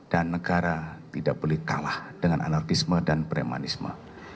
dan negara tidak boleh kalah dengan anarkisme dan premanisme